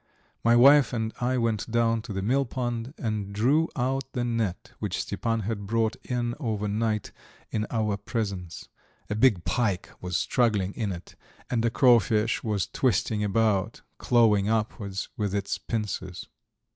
... My wife and I went down to the millpond and drew out the net which Stepan had thrown in over night in our presence. A big pike was struggling in it, and a cray fish was twisting about, clawing upwards with its pincers.